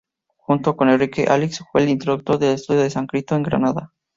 Junto con Enrique Alix fue el introductor del estudio del sánscrito en Granada.